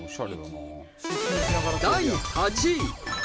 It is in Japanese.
第８位。